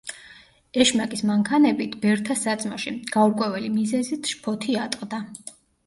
ეშმაკის მანქანებით ბერთა საძმოში, გაურკვეველი მიზეზით, შფოთი ატყდა.